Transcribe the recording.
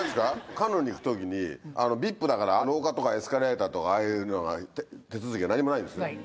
カンヌに行くときにＶＩＰだから、廊下とかエスカレーターとか、ああいうのは、手続きは何もないない。